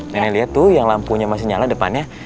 nenek lihat tuh yang lampunya masih nyala depannya